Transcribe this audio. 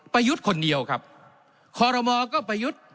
ประยุทธ์คนเดียวครับคอรมอก็ประยุทธ์